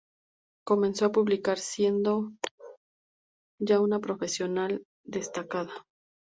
Comenzó a publicar siendo ya una profesional destacada.